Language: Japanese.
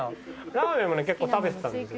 ラーメンもね結構食べてたんですよ